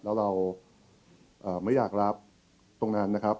แล้วเราไม่อยากรับตรงนั้นนะครับ